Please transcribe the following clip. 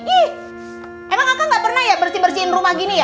ih emang akang nggak pernah ya bersihin bersihin rumah gini ya